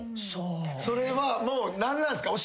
それはもう何なんすか？